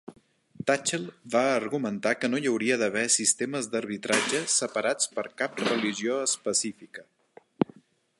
Tatchell va argumentar que no hi hauria d'haver sistemes d'arbitratge separats per cap religió específica.